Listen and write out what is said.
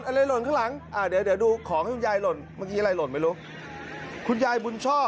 ซาลกครรภ์จังหวัดนครนายก